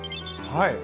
はい。